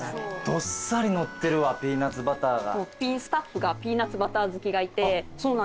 どっさりのってるわピーナツバターが。